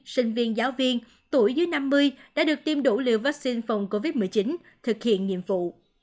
sinh viên giáo viên tuổi dưới năm mươi đã được tiêm đủ liều vaccine phòng covid một mươi chín thực hiện nhiệm vụ